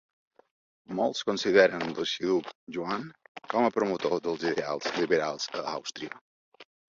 Molts consideren l'arxiduc Joan com un promotor dels ideals liberals a Àustria.